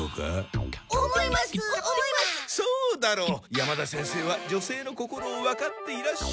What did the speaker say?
山田先生は女性の心をわかっていらっしゃる。